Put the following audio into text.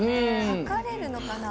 測れるのかな？